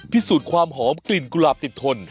พิสูจน์ความหอมกลิ่นกุหลาบติดทน